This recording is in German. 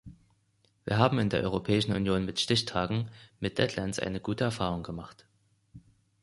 Wir haben in der Europäischen Union mit Stichtagen, mit deadlines eine gute Erfahrung gemacht.